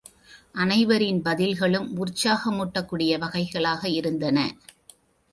அனைவரின் பதில்களும் உற்சாக மூட்டக் கூடிய வகைகளாக இருந்தன.